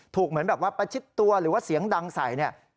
เหมือนแบบว่าประชิดตัวหรือว่าเสียงดังใส่เนี่ย